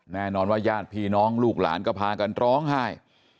แน่นอนว่าญาติพี่น้องลูกหลานก็พากันร้องไห้